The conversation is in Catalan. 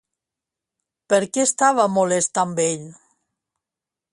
Per què estava molest amb ell?